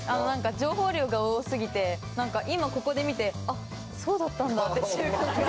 情報量が多過ぎて今ここで見てあそうだったんだって。